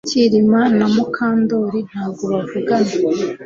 Kirima na Mukandoli ntabwo bavugana